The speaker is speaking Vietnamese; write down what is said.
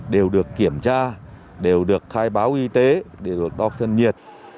đều được kiểm tra đều được khai báo y tế đều được đo chân nhiệt